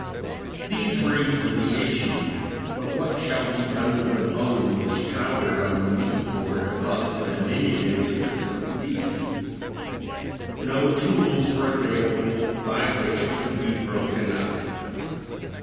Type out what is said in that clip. These were easily issued, but what shall be done with the bone which towered on the meat board above the diminutive strips of beef? No tools were available by which it could be broken up.